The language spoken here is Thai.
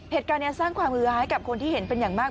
เหตุการณ์นี้สร้างความฮือหาให้กับคนที่เห็นเป็นอย่างมาก